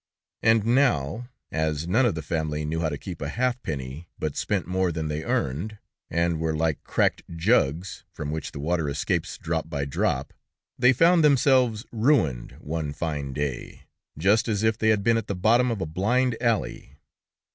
And now, as none of the family knew how to keep a halfpenny, but spent more than they earned, and were like cracked jugs, from which the water escapes drop by drop, they found themselves ruined one fine day, just as if they had been at the bottom of a blind alley.